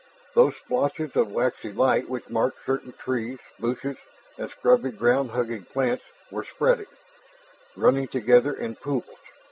Those splotches of waxy light which marked certain trees, bushes, and scrubby ground hugging plants were spreading, running together in pools.